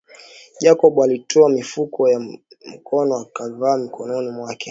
Jacob alitoa mifuko ya mikono akaivaa mikononi mwake